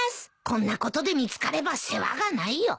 こんなことで見つかれば世話がないよ。